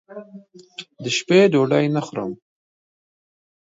دشپې ډوډۍ نه خورم